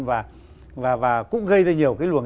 và cũng gây ra nhiều cái luồng